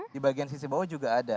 di bagian sisi bawah juga ada